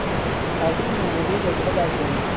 ترتیب معمولی واژهها درجمله